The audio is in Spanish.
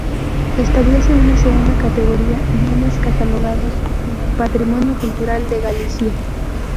Establece una segunda categoría; Bienes catalogados del patrimonio cultural de Galicia.